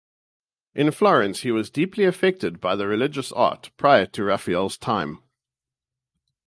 In Florence he was deeply affected by the religious art prior to Raphael's time.